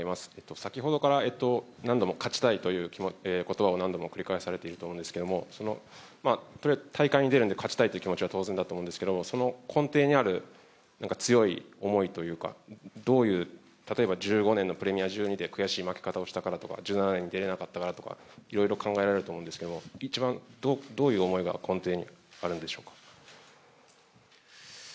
先ほどから何度も「勝ちたい」という言葉を繰り返されていますが大会に出るので勝ちたいという気持ちは当然だと思うんですけど、その根底にある強い思いというか、例えば１５年のプレミア１２で悔しい負け方をしたからとか、１７年に出られなかったからとかいろいろ考えられると思うんですけど、一番どういう思いが根底にあるんでしょうか？